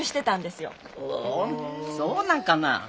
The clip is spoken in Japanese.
ほうそうなんかな。